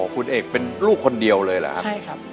อ๋อคุณเอกเป็นลูกคนเดียวเลยหรือครับ